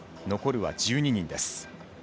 残るは１２人です。